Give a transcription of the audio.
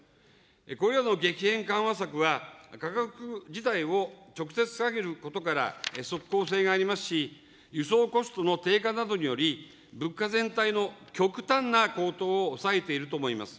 これらの激変緩和策は、価格自体を直接下げることから、即効性がありますし、輸送コストの低下などにより、物価全体の極端な高騰を抑えていると思います。